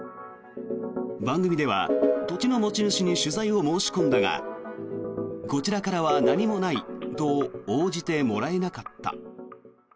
番組では土地の持ち主に取材を申し込んだがこちらからは何もないと応じてもらえなかった。